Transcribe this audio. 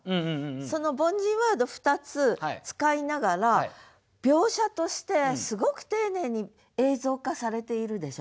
その凡人ワード２つ使いながら描写としてすごく丁寧に映像化されているでしょ？